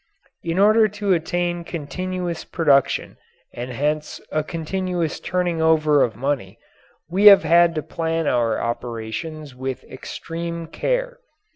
In order to attain continuous production and hence a continuous turning over of money we have had to plan our operations with extreme care.